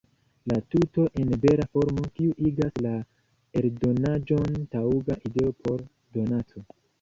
La tuto en bela formo, kiu igas la eldonaĵon taŭga ideo por donaco.